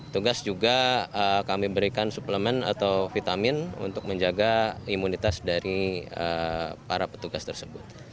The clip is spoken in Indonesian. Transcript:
tugas juga kami berikan suplemen atau vitamin untuk menjaga imunitas dari para petugas tersebut